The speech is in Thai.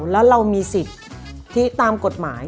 แล้วเรามีสิทธิตามกฎหมาย